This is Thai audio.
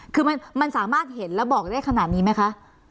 คือมันสามารถเห็นแล้วบอกได้ขนาดนี้ไหมคะ